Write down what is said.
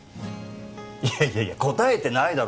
いやいやいや答えてないだろ